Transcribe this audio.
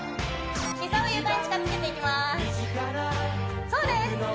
膝を床に近づけていきますそうです